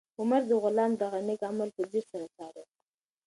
عمر د غلام دغه نېک عمل په ځیر سره څاره.